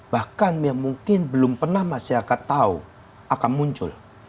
bahkan mungkin belum pernah masyarakat tahu akan muncul